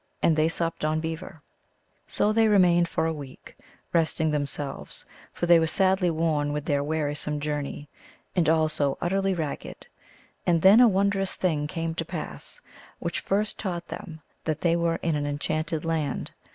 And they supped on beaver. 100 THE ALGONQUIN LEGENDS. So they remained for a week, resting themselves, for they were sadly worn with their wearisome journey, and also utterly ragged. And then a wondrous thing came to pass, which first taught them that they were in an enchanted land.